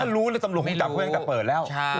ถ้ารู้แล้วตำรวจมีจับเครื่องจากเปิดแล้ว